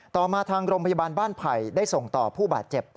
ต่อมาทางโรงพยาบาลบ้านไผ่ได้ส่งต่อผู้บาดเจ็บ